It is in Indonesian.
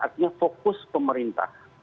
artinya fokus pemerintah